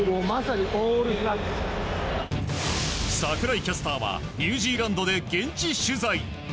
櫻井キャスターはニュージーランドで現地取材。